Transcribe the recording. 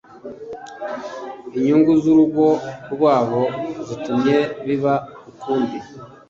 inyungu z urugo rwabo zitumye biba ukundi